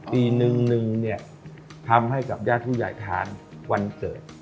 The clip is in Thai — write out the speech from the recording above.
ปีนึงเนี่ยทำให้กับญาติผู้ใหญ่ทานวันเกิด